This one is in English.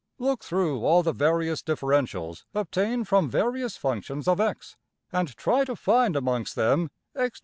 Look through all the various differentials obtained from various functions of~$x$, and try to find amongst them~$x^{ 1}$.